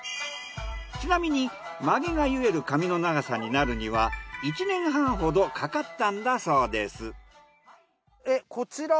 ちなみにまげが結える髪の長さになるには１年半ほどかかったんだそうです。